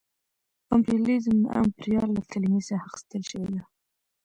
امپریالیزم د امپریال له کلمې څخه اخیستل شوې ده